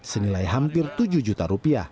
senilai hampir rp tujuh juta